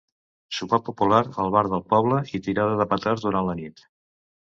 Sopar popular al bar del poble i tirada de petards durant la nit.